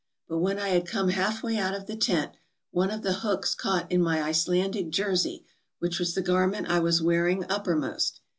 But when I had come half way out of the tent, one of the hooks caught in my Icelandic jersey, which was the garment I was wearing uppermost.